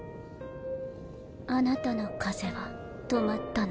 あなたの風は止まったの。